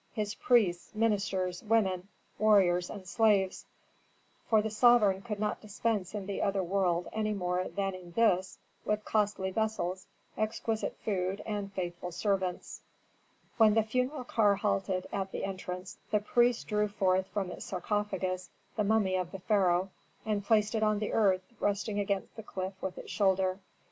his priests, ministers, women, warriors, and slaves; for the sovereign could not dispense in the other world any more than in this with costly vessels, exquisite food and faithful servants. When the funeral car halted at the entrance the priests drew forth from its sarcophagus the mummy of the pharaoh, and placed it on the earth resting against the cliff with its shoulder.